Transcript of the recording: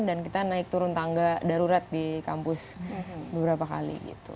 dan kita naik turun tangga darurat di kampus beberapa kali gitu